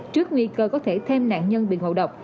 trước nguy cơ có thể thêm nạn nhân bị ngộ độc